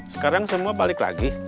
sekarang semua balik lagi